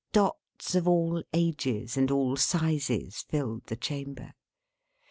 Dots of all ages, and all sizes, filled the chamber.